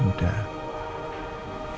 masih nanti juga pulang